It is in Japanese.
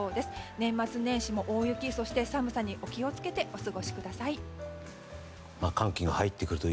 年末年始も大雪寒さにお気をつけてお過ごしください。